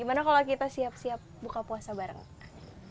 gimana kalau kita siap siap buka puasa bareng